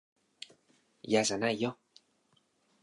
いやじゃないよ。